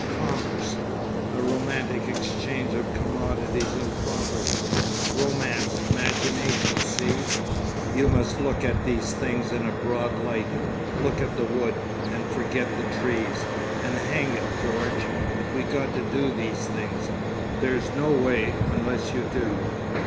Commerce! A romantic exchange of commodities and property. Romance. 'Magination. See? You must look at these things in a broad light. Look at the wood—and forget the trees! And hang it, George! we got to do these things! There's no way unless you do.